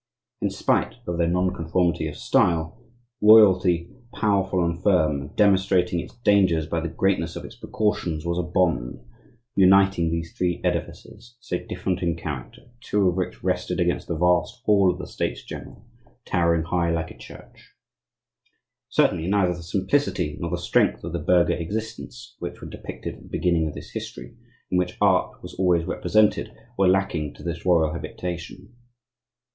In spite of their nonconformity of style, Royalty, powerful and firm, demonstrating its dangers by the greatness of its precautions, was a bond, uniting these three edifices, so different in character, two of which rested against the vast hall of the States general, towering high like a church. Certainly, neither the simplicity nor the strength of the burgher existence (which were depicted at the beginning of this history) in which Art was always represented, were lacking to this royal habitation.